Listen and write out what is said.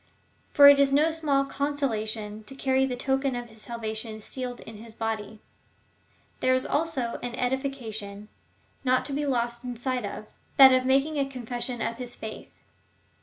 For it is no small consolation to carry the token of his salvation sealed in his body. There is also an edification, not to be lost sight of — that of making a confession of his faith.